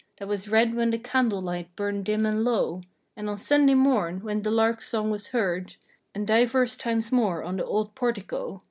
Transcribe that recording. That was read when the candle light burned dim and low. And, on Sunday morn when the lark's song was heard, And divers times more on the old portico.